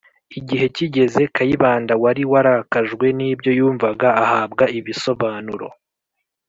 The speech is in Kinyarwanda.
igihe kigeze kayibanda wari warakajwe n' ibyo yumvaga ahabwa ibisobanuro